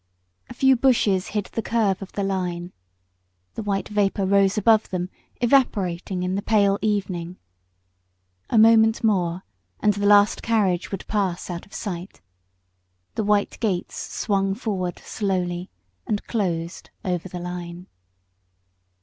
A few bushes hid the curve of the line; the white vapour rose above them, evaporating in the pale evening. A moment more and the last carriage would pass out of sight. The white gates swung forward slowly and closed over the line.